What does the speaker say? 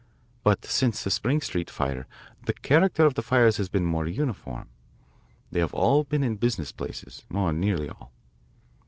But since the Spring Street fire, the character of the fires has been more uniform. They have all been in business places, or nearly all."